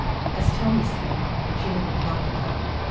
As Tony said, she had been talked about.